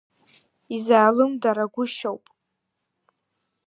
Изаалымдарагәышьауп.